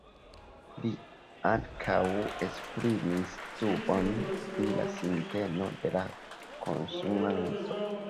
Li ankaŭ esprimis dubon pri la sinteno de la konsumanto.